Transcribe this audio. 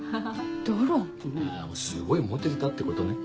すごいモテてたってことね。